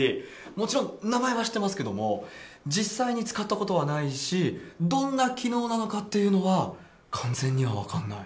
もちろん、名前は知ってますけれども、実際に使ったことはないし、どんな機能なのかっていうのは、完全には分かんない。